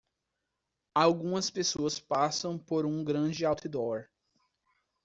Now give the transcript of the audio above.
Algumas pessoas passam por um grande outdoor.